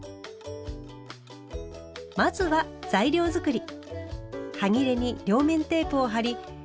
まずは材料作り。